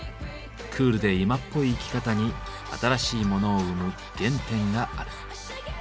クールで今っぽい生き方に新しいモノを生む原点がある。